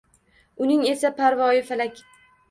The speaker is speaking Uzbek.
Uning esa parvoyi falak.